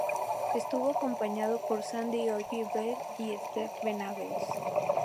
Estuvo acompañado por Sandy Ogilvie y Stephen Venables.